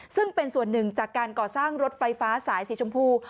ซึ่งเป็นส่วนหนึ่งจากการก่อสร้างรถไฟฟ้าสายสีชมพู